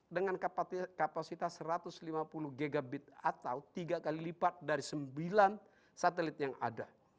dengan kapasitas satu ratus lima puluh gbt atau tiga kali lipat dari sembilan satelit yang ada